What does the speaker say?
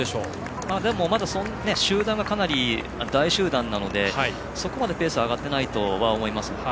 でも、まだ集団がかなり大集団なのでそこまでペースは上がってないと思います。